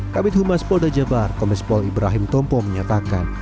kabinet humas polda jawa barat komis pol ibrahim tompo menyatakan